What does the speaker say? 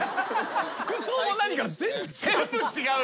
服装も何から全部違う。